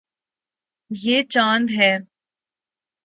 یے چاند ہے